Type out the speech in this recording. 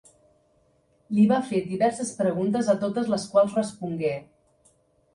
Li va fer diverses preguntes a totes les quals respongué.